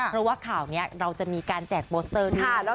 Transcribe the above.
เพราะว่าข่าวนี้เราจะมีการแจกโปสเตอร์ท่า